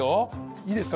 いいですか？